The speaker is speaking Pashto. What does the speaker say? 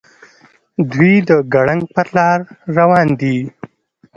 دوي د ګړنګ پر لار راروان دي.